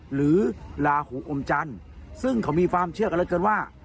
หรือลาหูอมจันทร์ซึ่งเขามีความเชื่อกันเหลือเกินว่า